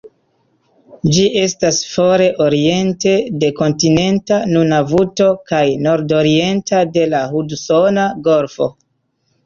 Ĝi estas fore oriente de kontinenta Nunavuto, kaj nordorienta de la Hudsona Golfo.